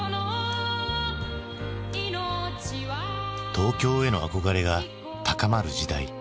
東京への憧れが高まる時代。